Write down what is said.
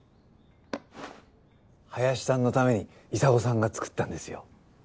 林さんのために砂金さんが作ったんですよ。